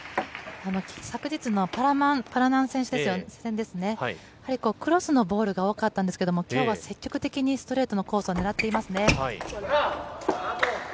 昨日のパラナン戦ですね、クロスのボールが多かったんですけれども、きょうは積極的にストレートのコースを狙っていますね。